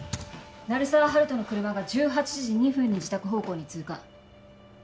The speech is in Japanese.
鳴沢温人の車が１８時２分に自宅方向に通過